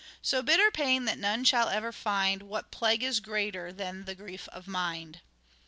So bitter pain that none shall ever find What plague is greater than the grief of mind?